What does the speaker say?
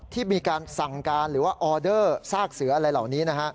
ที่มีการสั่งการหรือว่าออเดอร์ซากเสืออะไรเหล่านี้นะฮะ